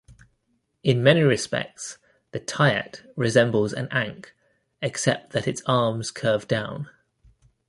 In many respects the tyet resembles an ankh, except that its arms curve down.